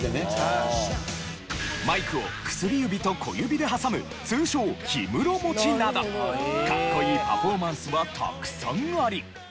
マイクを薬指と小指で挟む通称「氷室持ち」などかっこいいパフォーマンスはたくさんあり。